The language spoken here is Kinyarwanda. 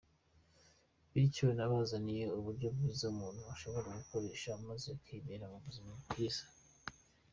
Bityo nabazaniye ubu buryo bwiza umuntu ashobora gukoresha maze akibera mu buzima bwiza.